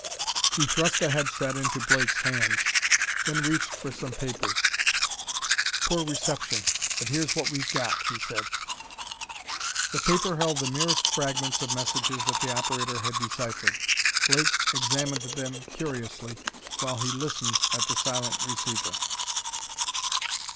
He thrust a head set into Blake's hands, then reached for some papers. "Poor reception, but there's what we've got," he said. The paper held the merest fragments of messages that the operator had deciphered. Blake examined them curiously while he listened at the silent receiver.